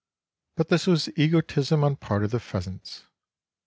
But this was egotism on the part of the pheasants.